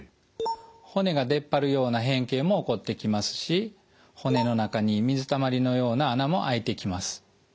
骨が出っ張るような変形も起こってきますし骨の中に水たまりのような穴もあいてきます。